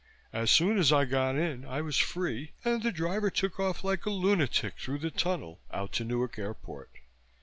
As soon as I got in I was free, and the driver took off like a lunatic through the tunnel, out to Newark Airport.